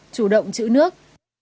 chủ động chữ nước